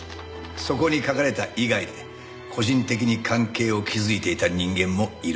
そこに書かれた以外で個人的に関係を築いていた人間もいるはずだ。